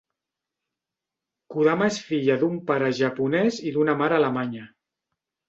Kodama és filla d'un pare japonès i d'una mare alemanya.